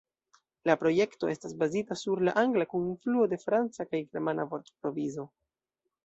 La projekto estas bazita sur la angla kun influo de franca kaj germana vortprovizo.